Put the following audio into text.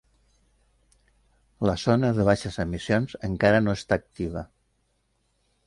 La zona de baixes emissions encara no està activa.